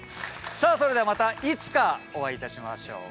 さぁそれではまたいつかお会いいたしましょう。